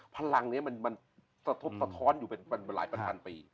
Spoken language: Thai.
พลังเนี่ยมันสะท้อนอยู่เป็นหลายพันพันปี